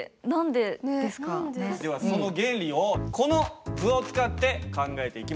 ではその原理をこの図を使って考えていきましょう。